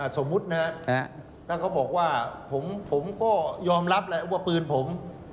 สมมุตินะครับถ้าเขาบอกว่าผมก็ยอมรับแหละว่าปืนผม